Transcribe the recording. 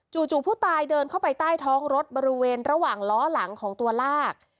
ผู้ตายเดินเข้าไปใต้ท้องรถบริเวณระหว่างล้อหลังของตัวลาก